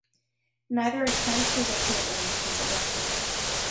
Neither attempt resulted in his election.